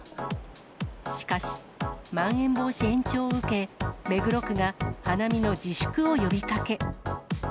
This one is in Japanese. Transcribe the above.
しかし、まん延防止延長を受け、目黒区が花見の自粛を呼びかけ。